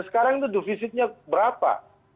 sekarang itu divisitnya berapa